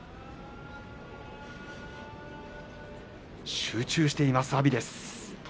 集中しています、阿炎です。